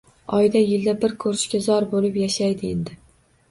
Oyda, yilda bir ko`rishga zor bo`lib yashaydi endi